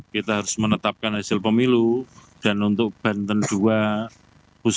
sudah selesai p transit dari banten doaiffs